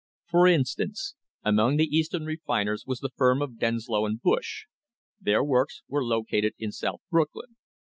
For instance, among the Eastern refiners was the firm of Denslow and Bush; their works were located in South Brooklyn.